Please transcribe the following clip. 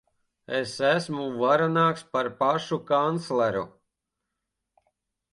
Es esmu varenāks par pašu kancleru.